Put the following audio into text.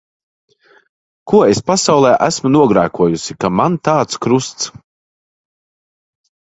Ko es pasaulē esmu nogrēkojusi, ka man tāds krusts.